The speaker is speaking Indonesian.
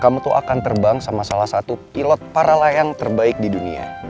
kamu tuh akan terbang sama salah satu pilot para layang terbaik di dunia